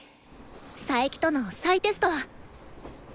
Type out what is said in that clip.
佐伯との再テスト。